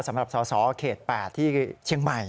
สำหรับสสเขต๘ที่เชียงใหม่